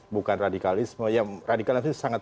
bukan radikalisme yang radikalisme sangat